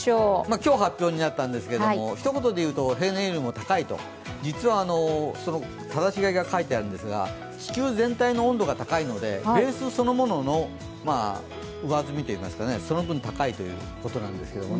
今日発表になったんですけれども、ひと言で言うと平年よりも高いと、実はただし書きが書いてあるんですが地球全体の温度が高いのでベースそのものの上積みというか、その分高いということなんですね。